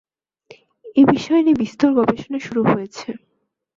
এই বিষয় নিয়ে বিস্তর গবেষণা শুরু হয়েছে।